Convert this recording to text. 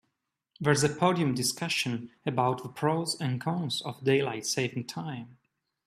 There's a podium discussion about the pros and cons of daylight saving time.